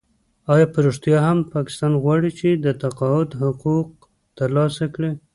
آیا په رښتیا هم پاکستان غواړي چې د تقاعد حقوق ترلاسه کړي؟